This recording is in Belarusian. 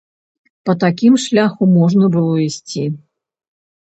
Па такім шляху можна было ісці.